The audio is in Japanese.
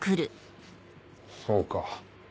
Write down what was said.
そうか。